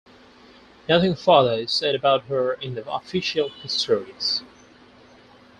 Nothing further is said about her in the official histories.